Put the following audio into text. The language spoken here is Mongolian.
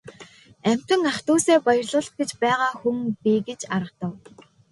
Амьтан ах дүүсээ баярлуулах гэж байгаа хүн би гэж аргадав.